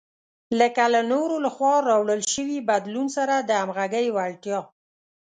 لکه له نورو لخوا راوړل شوي بدلون سره د همغږۍ وړتیا.